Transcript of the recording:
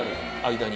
間に。